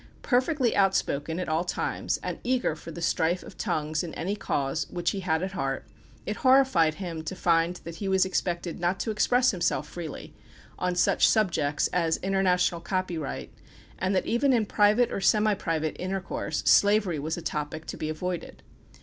Perfectly outspoken at all times, and eager for the strife of tongues in any cause which he had at heart, it horrified him to find that he was expected not to express himself freely on such subjects as International Copyright, and that even in private, or semi private intercourse, slavery was a topic to be avoided.